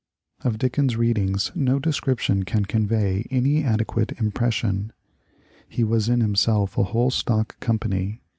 Of Dickens's readings no description can convey any ade quate impression. He was in himself a whole stock company.